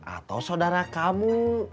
atau saudara kamu